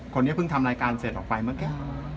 คนนี้เพิ่งทำรายการเสร็จออกไปเมื่อกี้